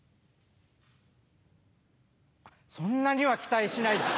そんなには期待しないで。